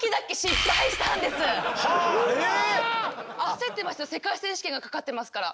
焦ってますよ世界選手権がかかってますから。